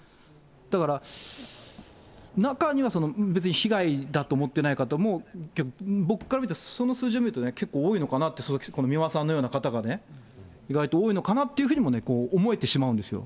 だから中には、別に被害だと思っていない方も、僕から見て、その数字を見ると結構多いのかなと、美馬さんのような方がね、意外と多いのかなというふうにも思えてしまうんですよ。